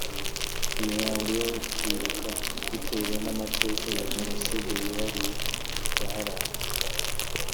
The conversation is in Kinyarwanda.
imihango yo kwibuka bitewe n amateka ya jenoside yihariye yaharanze